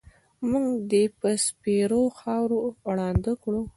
مونږ دې په سپېرو خاورو ړانده کړو